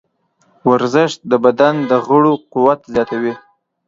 ورزش د بدن د غړو قوت زیاتوي.